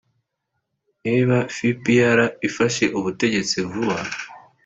niba fpr ifashe ubutegetsi vuba